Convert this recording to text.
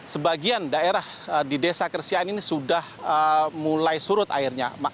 sebagian daerah di desa kersian ini sudah mulai surut airnya